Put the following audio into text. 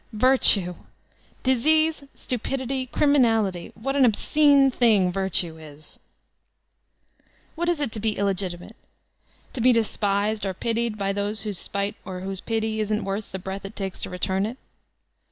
Virtue I Disease, stupidity, criminal ity I What an obscene thing "virtue" b I What is it to be illegitimate? To be despised, or pitied, by those whose spite or whose pity isn't worth the breath it takes to return it.